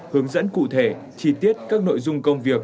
hướng dẫn cụ thể chi tiết các nội dung công việc